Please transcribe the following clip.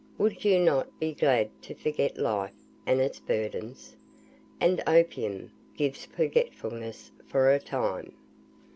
Would you not be glad to forget life, and its burdens? And opium gives forgetfulness for a time.